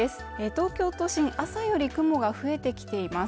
東京都心、朝より雲が増えてきています